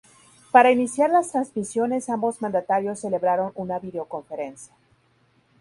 Para iniciar las transmisiones ambos mandatarios celebraron una videoconferencia.